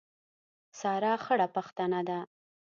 سارا خړه پښتنه ده.